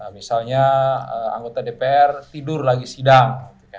misalnya anggota dpr tidur lagi sidang